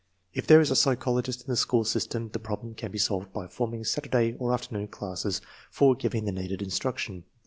If there is a psychologist in the school system the problem can be solved by forming Saturday or afternoon classes for givirtg the needed instruction.